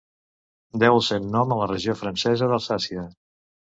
Deu al seu nom a la regió francesa d'Alsàcia.